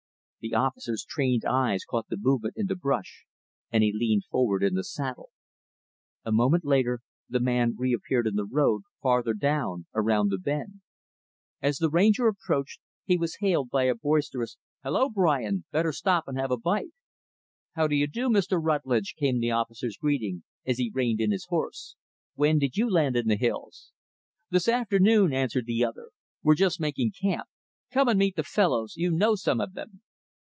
The officer's trained eyes caught the movement in the brush, and he leaned forward in the saddle. A moment later, the man reappeared in the road, farther down, around the bend. As the Ranger approached, he was hailed by a boisterous, "Hello, Brian! better stop and have a bite." "How do you do, Mr. Rutlidge?" came the officer's greeting, as he reined in his horse. "When did you land in the hills?"' "This afternoon," answered the other. "We're just making camp. Come and meet the fellows. You know some of them."